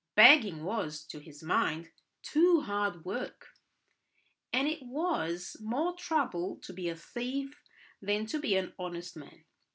Begging was, to his mind, too hard work, and it was more trouble to be a thief than to be an honest man.